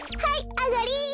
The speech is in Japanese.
あがり！